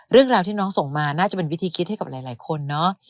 เรื่องราวที่น้องส่งมาน่าจะเป็นวิธีคิดให้กับหลายคนเนาะ